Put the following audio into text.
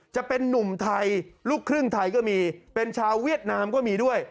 จะเป็นนุ่มไทยลูกครึ่งไทยก็มีเป็นชาวเวียดนามก็มีด้วย